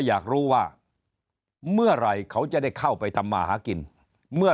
อยากรู้ว่าเมื่อไหร่เขาจะได้เข้าไปทำมาหากินเมื่อ